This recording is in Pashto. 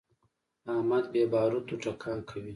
احمد بې باروتو ټکان کوي.